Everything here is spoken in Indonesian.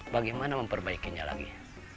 bagaimana memperbaikinya lagi